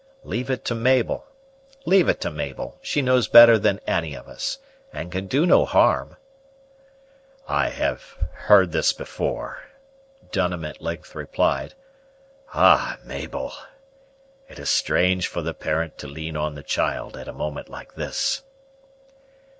"Leave it to Mabel, leave it to Mabel; she knows better than any of us, and can do no harm." "I have heard this before," Dunham at length replied. "Ah, Mabel! it is strange for the parent to lean on the child at a moment like this!"